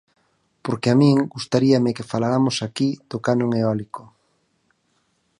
Porque a min gustaríame que falaramos aquí do canon eólico.